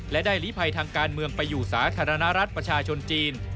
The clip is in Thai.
และได้ลิภัยทางการเมืองไปอยู่สาธารณรัฐประชาชนจีน